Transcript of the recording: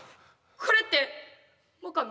これってモカの？